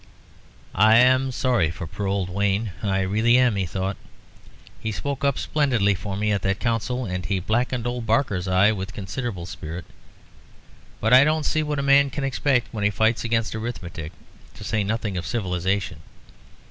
"I am sorry for poor old Wayne, I really am," he thought. "He spoke up splendidly for me at that Council. And he blacked old Barker's eye with considerable spirit. But I don't see what a man can expect when he fights against arithmetic, to say nothing of civilisation.